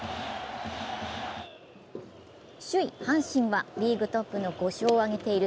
首位・阪神は、リーグトップの５勝を上げている